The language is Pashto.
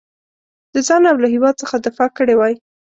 د ځان او له هیواد څخه دفاع کړې وای.